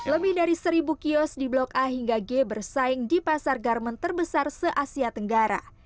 lebih dari seribu kios di blok a hingga g bersaing di pasar garmen terbesar se asia tenggara